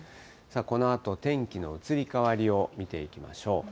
このあと、天気の移り変わりを見ていきましょう。